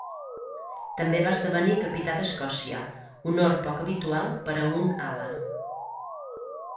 També va esdevenir capità d'Escòcia, honor poc habitual per a un ala.